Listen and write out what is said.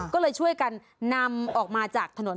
ก็เลยช่วยกันนำออกมาจากถนน